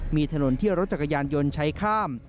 มีถนนที่รถจักรยานยนต์ใช้ข้าม